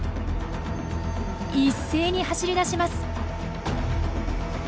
一斉に走りだします。